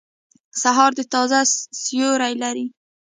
سهار د تازه سیوری لري.